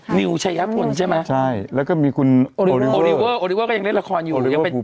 โอริเวอร์ก็ยังเล่นรายการอยู่